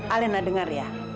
alena dengar ya